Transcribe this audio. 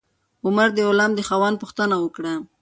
عمر د غلام د خاوند پوښتنه وکړه.